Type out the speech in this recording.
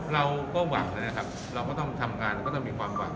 เราก็หวังนะครับเราก็ต้องทำงานแล้วก็ต้องมีความหวัง